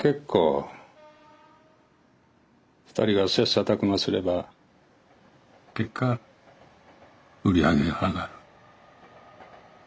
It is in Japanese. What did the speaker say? ２人が切磋琢磨すれば結果売り上げが上がる。